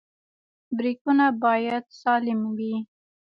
برېکونه باید سالم وي.